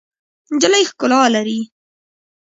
نجلۍ ښکلا لري.